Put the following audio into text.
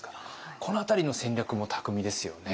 この辺りの戦略も巧みですよね。